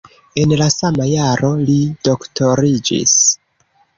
En la sama jaro li doktoriĝis.